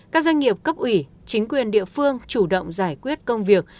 các doanh nghiệp cấp ủy chính quyền địa phương chủ động giải quyết công việc